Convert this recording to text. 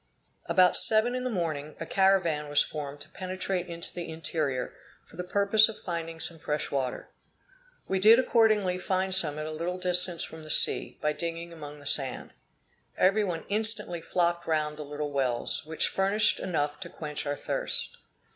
About seven in the morning, a caravan was formed to penetrate into the interior, for the purpose of finding some fresh water. We did accordingly find some at a little distance from the sea, by digging among the sand. Every one instantly flocked round the little wells, which furnished enough to quench our thirst.